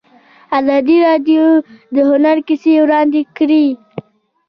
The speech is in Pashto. ازادي راډیو د هنر کیسې وړاندې کړي.